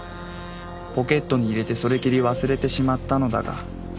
ポケットに入れてそれきり忘れてしまったのだが。